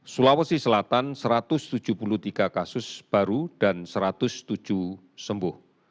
sulawesi selatan satu ratus tujuh puluh tiga kasus baru dan satu ratus tujuh sembuh